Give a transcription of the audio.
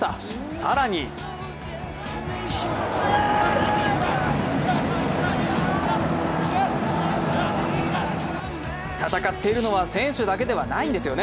更に戦っているのは選手だけではないんですよね。